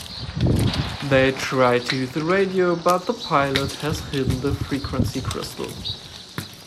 They try to use the radio, but the pilot has hidden the frequency crystal.